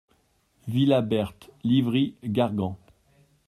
Villa Berthe, Livry-Gargan